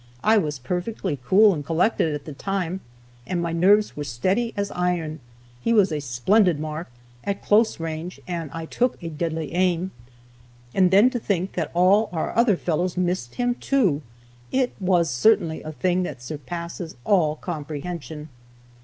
I was perfectly cool and collected at the time, and my nerves were steady as iron; he was a splendid mark, at close range, and I took a deadly aim. And then to think that all our other fellows missed him too! It was certainly a thing that surpasses all comprehension.